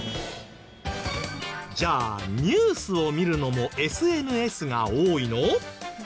じゃあニュースを見るのもＳＮＳが多いの？